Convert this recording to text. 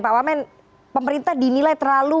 pak wamen pemerintah dinilai terlalu